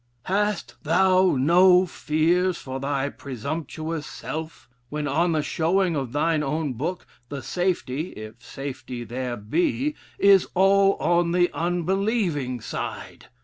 'Hast thou no fears for thy presumptuous self?' when on the showing of thine own book, the safety (if safety there be) is all on the unbelieving side?